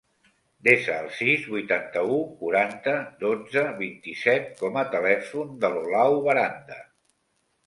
Desa el sis, vuitanta-u, quaranta, dotze, vint-i-set com a telèfon de l'Olau Baranda.